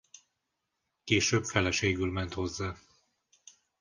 Később feleségül ment hozzá.